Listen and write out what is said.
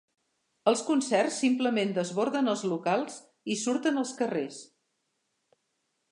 Els concerts simplement desborden els locals i surten als carrers.